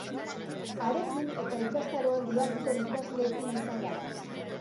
Harekin eta ikastaroan diharduten ikasleekin izan gara.